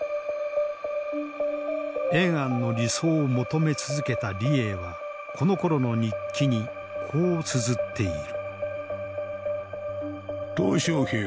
延安の理想を求め続けた李鋭はこのころの日記にこうつづっている。